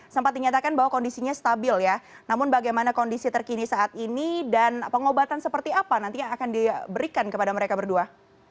sempat dinyatakan bahwa kondisinya stabil ya namun bagaimana kondisi terkini saat ini dan pengobatan seperti apa nantinya akan diberikan kepada mereka berdua